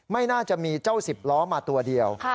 ไม่น่าจะมีเจ้าสิบล้อมาตัวเดียว